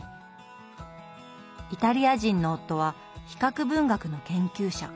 イタリア人の夫は比較文学の研究者。